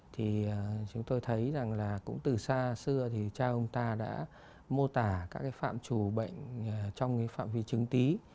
thì chúng tôi thấy rằng là cũng từ xa xưa thì cha ông ta đã mô tả các phạm chủ bệnh trong phạm vi chứng tí